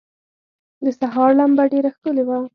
د سهار لمبه ډېره ښکلي وه.